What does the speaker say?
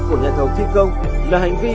của nhà thầu thi công là hành vi